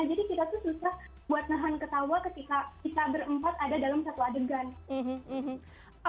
jadi kita tuh susah buat nahan ketawa ketika kita berempat ada dalam satu adegan